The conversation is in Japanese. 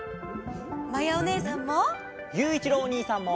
まやおねえさんも！